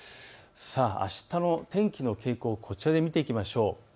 あしたの天気の傾向、こちらで見ていきましょう。